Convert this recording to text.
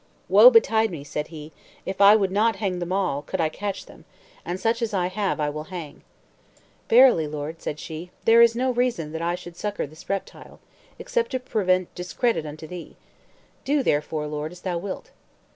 "Woe betide me," said he, "if I would not hang them all, could I catch them, and such as I have I will hang." "Verily, lord," said she, "there is no reason that I should succor this reptile, except to prevent discredit unto thee. Do therefore, lord, as thou wilt."